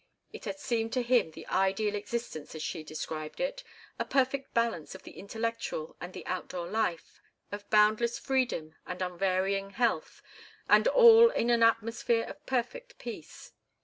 It had seemed to him the ideal existence as she described it, a perfect balance of the intellectual and the out door life, of boundless freedom and unvarying health; and all in an atmosphere of perfect peace.